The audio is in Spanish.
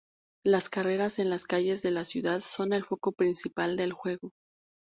Las carreras en las calles de la ciudad son el foco principal del juego.